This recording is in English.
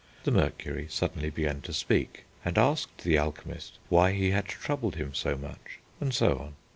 The Mercury suddenly began to speak, and asked the Alchemist why he had troubled him so much, and so on.